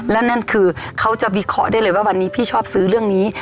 และนั่นคือเขาจะวิเคราะห์ได้เลยว่าวันนี้พี่ชอบซื้อเรื่องนี้